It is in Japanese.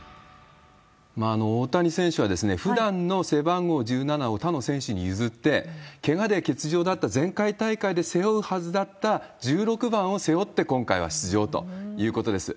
大谷選手はふだんの背番号１７を他の選手に譲って、けがで欠場だった前回大会で背負うはずだった１６番を背負って、今回は出場ということです。